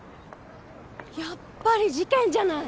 やっぱり事件じゃない！